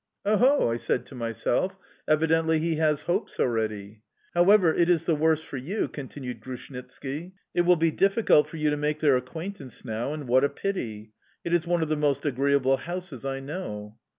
"Oho!" I said to myself, "evidently he has hopes already." "However, it is the worse for you," continued Grushnitski; "it will be difficult for you to make their acquaintance now, and what a pity! It is one of the most agreeable houses I know"...